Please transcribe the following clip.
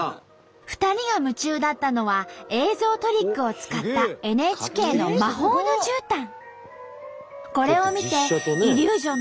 ２人が夢中だったのは映像トリックを使ったＮＨＫの「魔法のじゅうたん」。